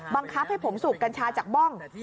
บังคับให้ผมสูบกัญชาจากบ้อง